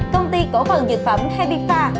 công ty cổ phần dược phẩm habifar